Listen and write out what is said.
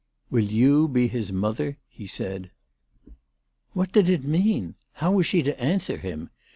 " Will you be his mother ?" he said. What did it mean ? How was she to answer him